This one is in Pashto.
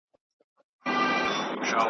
ځکه چې د ملتونو حافظه یوازې